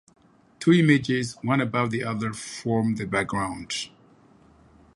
Two images, one above the other, form the background.